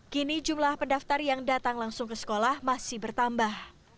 kini jumlah pendaftar yang datang langsung ke sekolah masih bertambah